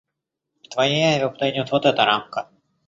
К твоей аве подойдёт вот эта рамка.